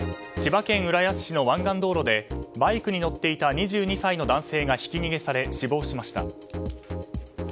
千葉県浦安市の湾岸道路でバイクに乗っていた２２歳の男性がひき逃げされ、死亡しました。